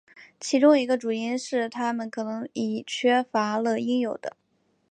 其中一个主因是它们可能已缺乏了应有的。